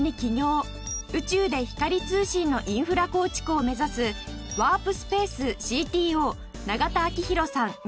宇宙で光通信のインフラ構築を目指すＷＡＲＰＳＰＡＣＥＣＴＯ永田晃大さん